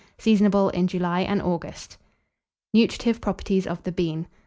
Seasonable in July and August. NUTRITIVE PROPERTIES OF THE BEAN.